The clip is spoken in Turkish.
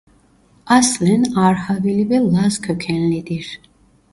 Aslen Arhavili ve Laz kökenlidir.